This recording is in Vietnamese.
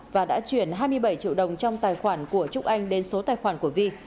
và đã chuyển hai mươi bảy triệu đồng trong tài khoản của trúc anh đến số tài khoản của vi